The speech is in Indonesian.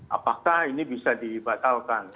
apakah ini bisa dibatalkan